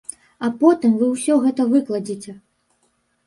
А потым вы ўсё гэта выкладзеце!